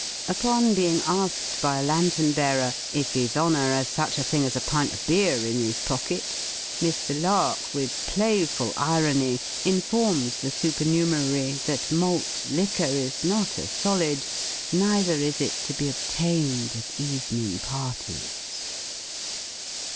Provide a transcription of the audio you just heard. Upon being asked, by a lanthorn bearer, "if his Honor has such a thing as a pint o' beer in his pocket?" Mr. Lark, with playful irony, informs the supernumerary that malt liquor is not a solid, neither is it to be obtained at evening parties.